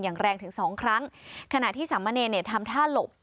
อย่างแรงถึงสองครั้งขณะที่สามเณรเนี่ยทำท่าหลบ